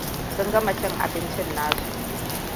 Sun gama cin abincin nasu.